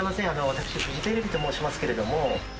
私フジテレビと申しますけれども。